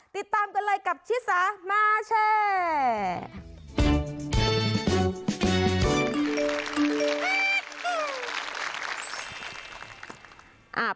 ติดตามกันเลยกับชิสามาแชร์